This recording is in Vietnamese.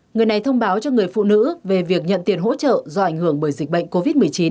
người này thông báo cho người phụ nữ về việc nhận tiền hỗ trợ do ảnh hưởng bởi dịch bệnh covid một mươi chín